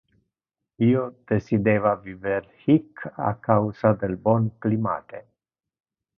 Io decideva viver hic a causa del bon climate.